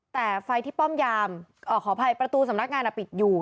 แต่ไฟที่ป้อมยามขออภัยประตูสำนักงานปิดอยู่